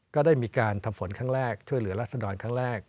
ก็ได้มีการทำฝนครั้งแรกช่วยเหลือรัศดรครั้งแรก